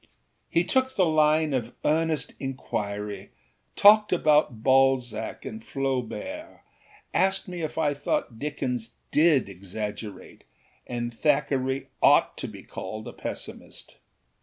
â He took the line of earnest inquiry, talked about Balzac and Flaubert, asked me if I thought Dickens did exaggerate and Thackeray ought to be called a pessimist.